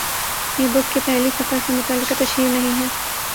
یہ بُک کی پہلی سفر سے متعلقہ تشہیر نہیں ہے